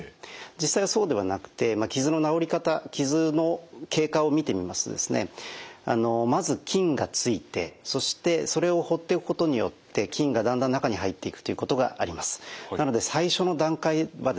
実際はそうではなくて傷の治り方傷の経過を見てみますとまず菌がついてそしてそれを放っておくことによって菌がだんだん中に入っていくということがあります。